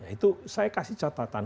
itu saya kasih catatan